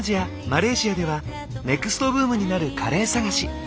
マレーシアではネクストブームになるカレー探し。